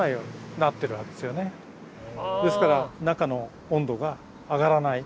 ですから中の温度が上がらない。